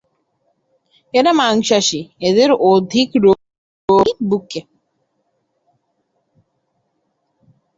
এরা মাংসাশী, এদের অধিক রোগই বুকে।